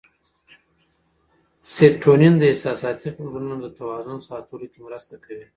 سېرټونین د احساساتي غبرګونونو د توازن ساتلو کې مرسته کوي.